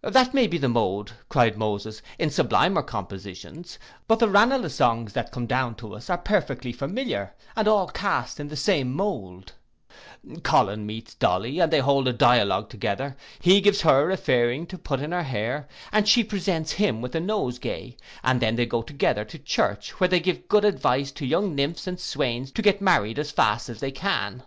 'That may be the mode,' cried Moses, 'in sublimer compositions; but the Ranelagh songs that come down to us are perfectly familiar, and all cast in the same mold: Colin meets Dolly, and they hold a dialogue together; he gives her a fairing to put in her hair, and she presents him with a nosegay; and then they go together to church, where they give good advice to young nymphs and swains to get married as fast as they can.